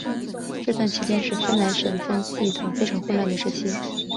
这段期间是荷兰省分系统非常混乱的时期。